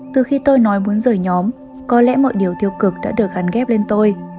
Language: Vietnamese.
từ khi tôi nói muốn rời nhóm có lẽ mọi điều tiêu cực đã được gắn ghép lên tôi